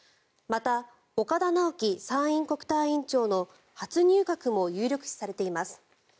また岡田直樹参院国対委員長の初入閣も有力視されています。